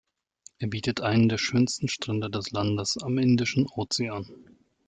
Er bietet einen der schönsten Strände des Landes am Indischen Ozean.